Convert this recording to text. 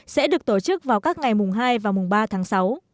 sẽ được tổ chức vào các ngày mùng hai và mùng ba tháng sáu